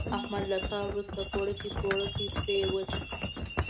احمد له کار ورسته پړوکی پړوکی پرېوت.